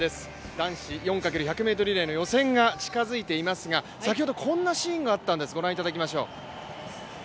男子４×１００ｍリレーの予選が近づいていますが先ほどこんなシーンがあったんです、ご覧いただきましょう。